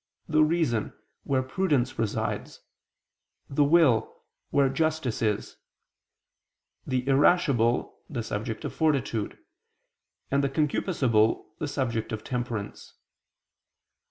the reason, where prudence resides, the will, where justice is, the irascible, the subject of fortitude, and the concupiscible, the subject of temperance.